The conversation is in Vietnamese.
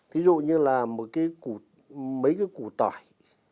ví dụ như là mấy cái củ tỏi